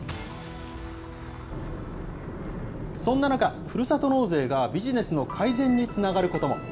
そんな中、ふるさと納税がビジネスの改善につながることも。